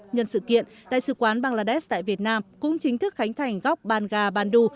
nhân sự kiện đại sứ quán bangladesh tại việt nam cũng chính thức khánh thành góc bangga bandhu